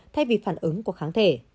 thay vì phản ứng của kháng thể